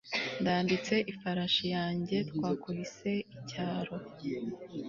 ndambitse ifarashi yanjye twakubise icyaro